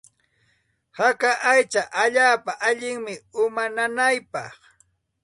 Haka aycha allaapa allinmi uma nanaypaq.